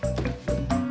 aku mau berbual